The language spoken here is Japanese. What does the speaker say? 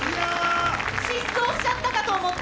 失踪しちゃったかと思って。